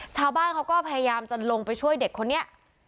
ชาวบ้านเขาก็พยายามจะลงไปช่วยเด็กคนนี้